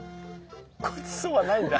ごちそうはないんだ。